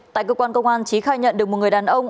tại cơ quan công an trí khai nhận được một người đàn ông